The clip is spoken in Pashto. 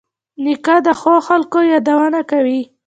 نیکه د ښو خلکو یادونه کوي.